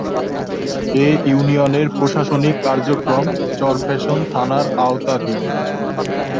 এ ইউনিয়নের প্রশাসনিক কার্যক্রম চরফ্যাশন থানার আওতাধীন।